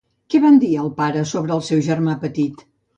Què van dir al pare sobre el seu germà petit?